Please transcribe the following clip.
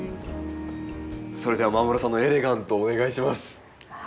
それでは間室さんのエレガントお願いします。